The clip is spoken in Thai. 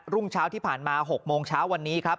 รุ่งเช้าที่ผ่านมา๖โมงเช้าวันนี้ครับ